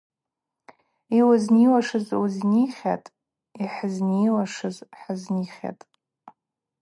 Йуызниуашыз уызнихьатӏ, йхӏызниуашыз хӏызнихьатӏ.